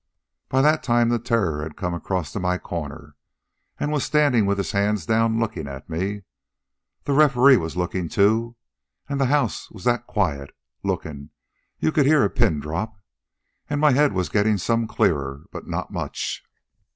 By that time the Terror had come across to my corner an' was standin' with his hands down, lookin' at me. The referee was lookin', too, an' the house was that quiet, lookin', you could hear a pin drop. An' my head was gettin' some clearer, but not much.